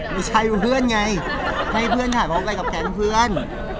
ไม่ใช่เพื่อนไงให้เพื่อนถ่ายพบไปกับแครงเพื่อน